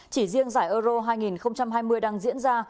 chỉ riêng giải euro hai nghìn hai mươi đang diễn ra